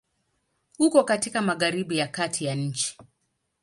Uko katika Magharibi ya Kati ya nchi.